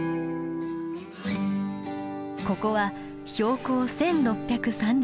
ここは標高１，６３０メートル。